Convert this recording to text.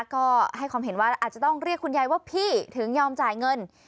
ก็ให้ความเห็นว่าอาจจะต้องเรียกคุณยายว่าพี่ถึงยอมจ่ายเงิน